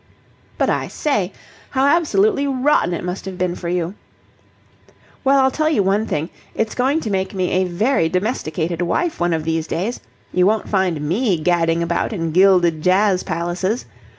"But, I say! How absolutely rotten it must have been for you!" "Well, I'll tell you one thing. It's going to make me a very domesticated wife one of these days. You won't find me gadding about in gilded jazz palaces!